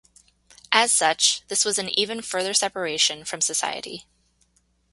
As such, this was an even further separation from society.